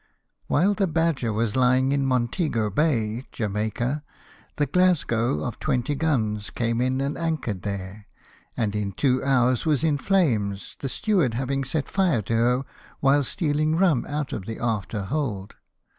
While the Badger was lying in Montego Bay, Jamaica, the Glasgow, of 20 guns, came in and anchored there, and in two hours was in flames, the steward having set fire to her while stealing rum out of the after hold.